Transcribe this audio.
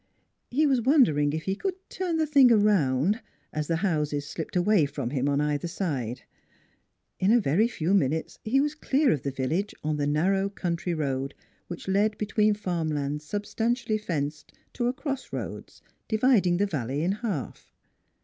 He was wondering if he could turn the thing around, as the houses slipped away from him on either side. In a very few minutes he was clear of the village on the narrow country road, which led between farm lands substantially fenced to a cross roads, dividing the valley in half.